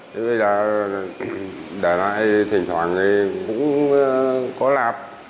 thế bây giờ để lại thỉnh thoảng thì cũng có làm